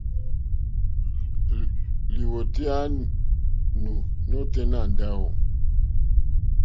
Lìwòtéyá nù nôténá ndáwò.